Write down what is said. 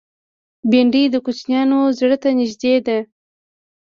بېنډۍ د کوچنیانو زړه ته نږدې ده